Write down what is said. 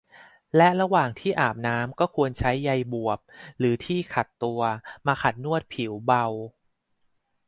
และระหว่างที่อาบน้ำก็ควรใช้ใยบวบหรือที่ขัดตัวมาขัดนวดผิวเบา